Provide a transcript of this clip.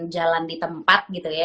jalan di tempat gitu ya